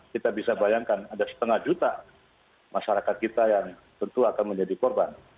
kita bisa bayangkan ada setengah juta masyarakat kita yang tentu akan menjadi korban